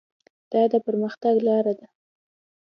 دا د پرمختګ لاره ده.